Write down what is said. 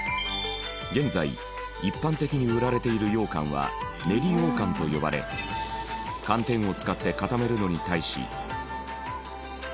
現在一般的に売られている羊羹は練り羊羹と呼ばれ寒天を使って固めるのに対し。